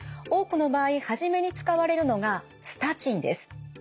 多くの場合初めに使われるのがスタチンです。